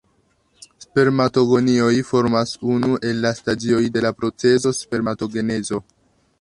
Spermatogonioj formas unu el la stadioj de la procezo spermatogenezo.